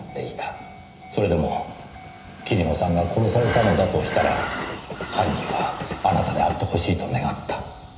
それでも桐野さんが殺されたのだとしたら犯人はあなたであってほしいと願った。